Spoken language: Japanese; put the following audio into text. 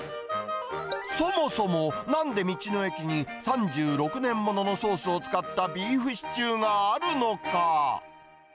そもそも、なんで道の駅に３６年物のソースを使ったビーフシチューがあるのか。